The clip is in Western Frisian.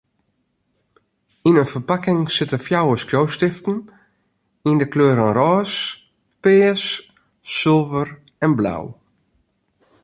Yn in ferpakking sitte fjouwer skriuwstiften yn 'e kleuren rôs, pears, sulver en blau.